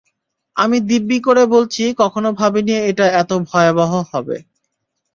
আমি দিব্যি করে বলছি কখনো ভাবিনি এটা এত ভয়াবহ হবে।